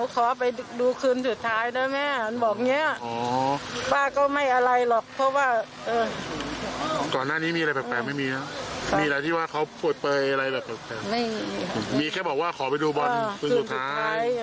กลับดึกนะแม่เดี๋ยวหนูขอไปดูคืนสุดท้าย